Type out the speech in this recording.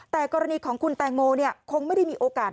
แต่กรณีของคุณแตงโมคงไม่ได้มีโอกาส